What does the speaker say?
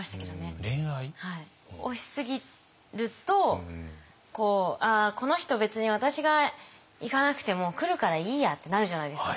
押しすぎると「この人別に私が行かなくても来るからいいや」ってなるじゃないですか。